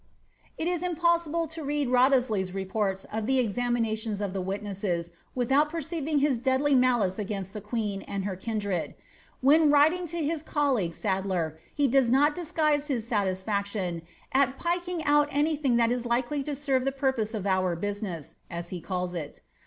' It is impossible to read Wriolhesley''s reports of the examinations of the witnesses without perceiving his deadly malice against the qoeea and her kindred. When writing to his culleague Sadler, he does not disguise his satisfaction at ^^ pyking out any thing that is likely to sem tlie purpose of our business^'''^ as he calls it.